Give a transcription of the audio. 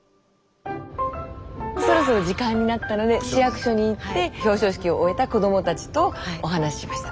そろそろ時間になったので市役所に行って表彰式を終えた子どもたちとお話ししました。